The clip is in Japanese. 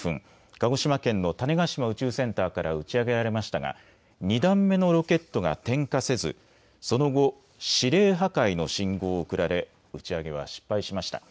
鹿児島県の種子島宇宙センターから打ち上げられましたが２段目のロケットが点火せずその後、指令破壊の信号を送られ打ち上げは失敗しました。